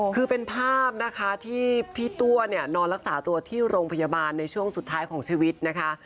คือเป็นภาพนะคะที่พี่ตัวเนี่ยนอนรักษาตัวที่โรงพยาบาลในช่วงสุดท้ายของชีวิตนะคะ